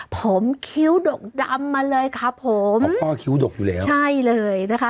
ผมคิ้วดกดำมาเลยครับผมของพ่อคิ้วดกอยู่แล้วใช่เลยนะคะ